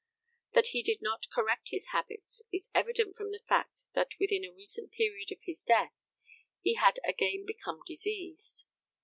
That he did not correct his habits is evident from the fact, that within a recent period of his death he had again become diseased.